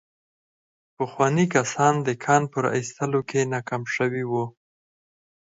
پخواني کسان د کان په را ايستلو کې ناکام شوي وو.